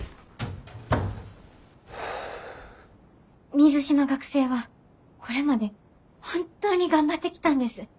水島学生はこれまで本当に頑張ってきたんです。